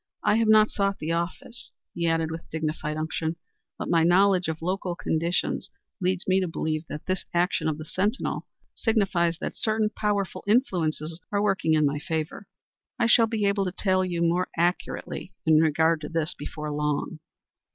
I have not sought the office," he added with dignified unction, "but my knowledge of local conditions leads me to believe that this action of the Sentinel signifies that certain powerful influences are working in my favor. I shall be able to tell you more accurately in regard to this before long."